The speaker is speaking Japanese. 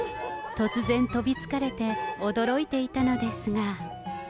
突然飛びつかれて、驚いていたのですが。